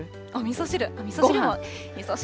みそ汁？